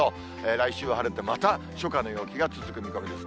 来週は晴れて、また初夏の陽気が続く見込みです。